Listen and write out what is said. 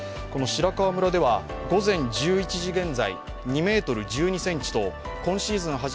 この白川村では午前１１時現在、２ｍ１２ｃｍと今シーズン